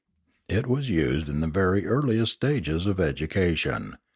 It was used in the very earliest stages of education.